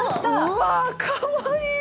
うわ、かわいい！